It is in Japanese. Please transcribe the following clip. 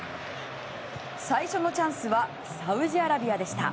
最初のチャンスはサウジアラビアでした。